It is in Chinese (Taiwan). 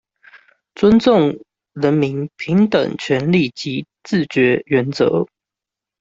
尊重人民平等權利及自決原則